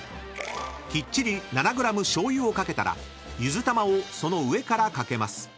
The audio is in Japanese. ［きっちり７ｇ醤油を掛けたらゆずたまをその上から掛けます］